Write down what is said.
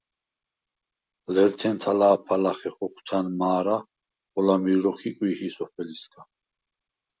ლერთენ თა̄ლა̄ფა ლახე ხოქვთა̈ნ მა̄რა, ხოლა მირ როქვ იკვიჰი სოფელისგა.